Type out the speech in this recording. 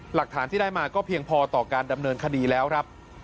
หลักฐานที่ได้มาก็เพียงพอต่อการดำเนินคดีแล้วครับ